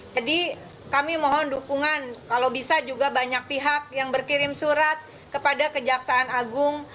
jadi kami mohon dukungan kalau bisa juga banyak pihak yang berkirim surat kepada kejaksaan agung